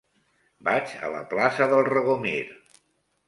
Vaig a la plaça del Regomir.